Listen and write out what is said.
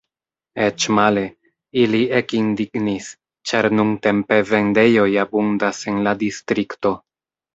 Eĉ male: ili ekindignis, ĉar nuntempe vendejoj abundas en la distrikto.